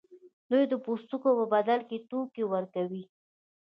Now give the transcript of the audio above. دوی د پوستکو په بدل کې توکي ورکول.